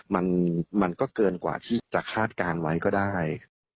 มันก็เกินกว่าที่จะคาดการณ์ไว้ก็ได้